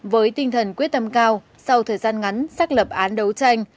với tinh thần quyết tâm cao sau thời gian ngắn xác lập án đấu tranh